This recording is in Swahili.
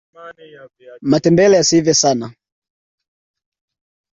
matembele yasiive sana